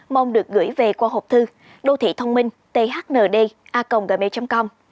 mong được gửi về qua hộp thư đô thị thông minh thnd a gmail com